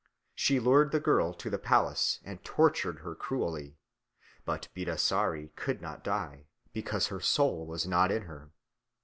She lured the girl to the palace and tortured her cruelly; but Bidasari could not die, because her soul was not in her.